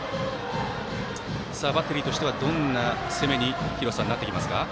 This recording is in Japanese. バッテリーとしてはどんな攻めになってきますか。